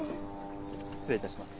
失礼いたします。